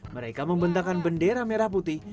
mereka membentakan bendera merah putih